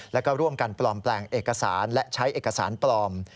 แล้วก็ร่วมกันปลอมแปลงเอกสารและใช้เอกสารปลอม